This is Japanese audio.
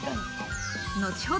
後ほど